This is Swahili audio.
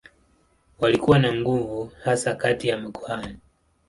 Walikuwa na nguvu hasa kati ya makuhani.